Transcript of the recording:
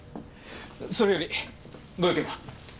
それよりご用件は？